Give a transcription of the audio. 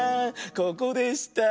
ここでした。